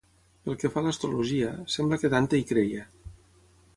Pel que fa a l'astrologia, sembla que Dante hi creia.